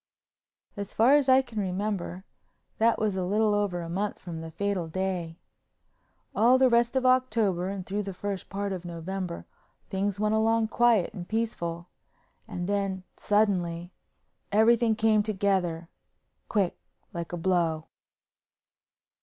As far as I can remember, that was a little over a month from the fatal day. All the rest of October and through the first part of November things went along quiet and peaceful. And then, suddenly, everything came together—quick like a blow.